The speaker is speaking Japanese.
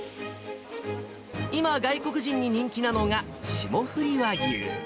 今、外国人に人気なのが、霜降り和牛。